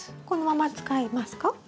このまま使いますか？